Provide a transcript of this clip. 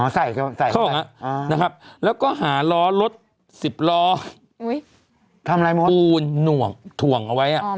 อ๋อใส่เข้าไปนะครับแล้วก็หาร้อลด๑๐ล้อปูนหน่วงถ่วงเอาไว้